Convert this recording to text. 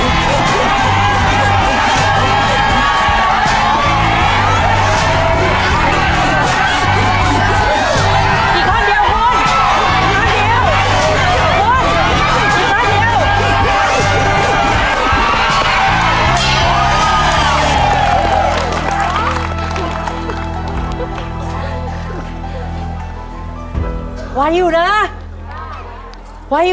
อีกครั้งเดี๋ยว